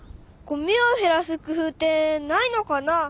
ごみをへらす工夫ってないのかな？